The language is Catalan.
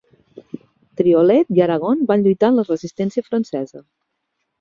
Triolet i Aragon van lluitar en la Resistència Francesa.